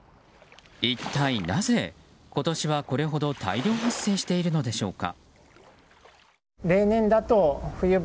一体なぜ、今年はこれほど大量発生しているのでしょうか。